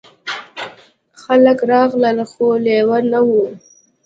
خلک راغلل خو لیوه نه و.